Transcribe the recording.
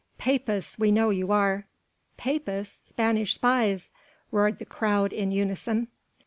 Papists we know you are." "Papists! Spanish spies!" roared the crowd in unison.